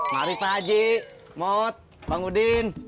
mari pak haji maut bang udin